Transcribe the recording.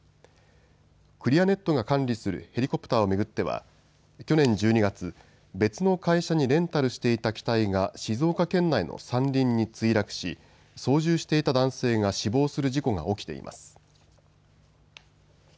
クリアネットが管理するヘリコプターを巡っては去年１２月、別の会社にレンタルしていた機体が静岡県内の山林に墜落し操縦していた男性が死亡する事故が起きています。